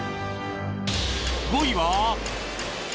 ５位は